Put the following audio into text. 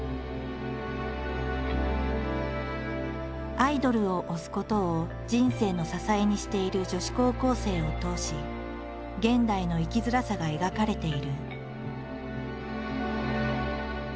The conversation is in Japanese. アイドルを「推す」ことを人生の支えにしている女子高校生を通し現代の生きづらさが描かれている。